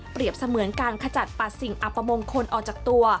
เสมือนการขจัดปัดสิ่งอัปมงคลออกจากตัว